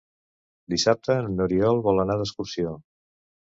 Dissabte n'Oriol vol anar d'excursió.